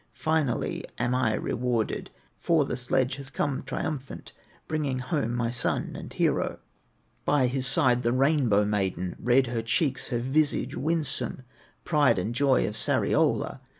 Finally am I rewarded, For the sledge has come triumphant, Bringing home my son and hero, By his side the Rainbow maiden, Red her cheeks, her visage winsome, Pride and joy of Sariola.